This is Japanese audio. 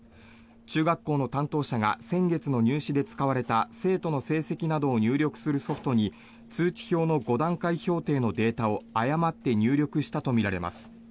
中学校の担当者が先月の入試で使われた生徒の成績などを入力するソフトに通知表の５段階評定のデータを誤って入力したとみられます。